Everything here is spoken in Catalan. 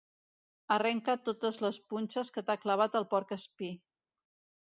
Arrenca totes les punxes que t'ha clavat el porc espí.